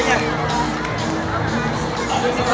gak dapet telenya